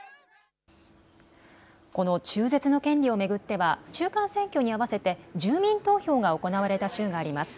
この中絶の権利を巡っては中間選挙に合わせて住民投票が行われた州があります。